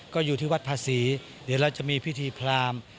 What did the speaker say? ก็อยู่ที่วัดภาษีเดี๋ยวเราจะมีพิธีพราม